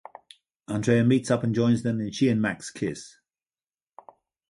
Andrea meets up and joins them, then she and Max kiss.